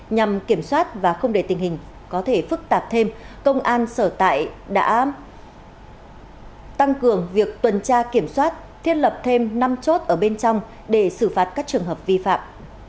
nhằm kiểm soát và không để tình hình có thể phức tạp thêm công an sở tại đã tăng cường việc tuần tra kiểm soát thiết lập thêm năm chốt ở bên trong để xử phạt các trường hợp vi phạm